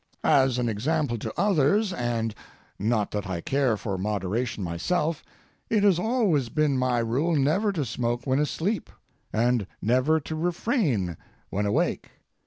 As an example to others, and—not that I care for moderation myself, it has always been my rule never to smoke when asleep, and never to refrain when awake.